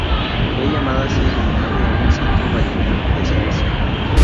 Fue llamada así en homenaje a un centro ballenero de Escocia.